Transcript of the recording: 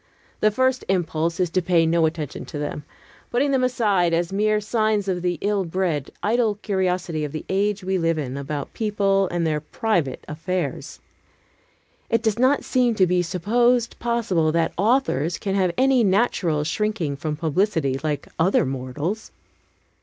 The first impulse is to pay no attention to them, putting them aside as mere signs of the ill bred, idle curiosity of the age we live in about people and their private affairs. It does not seem to be supposed possible that authors can have any natural shrinking from publicity, like other mortals.